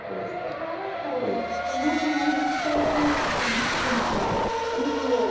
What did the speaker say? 引っ越してからちょうどそんなつもりなくちょうどいいここのスペースを。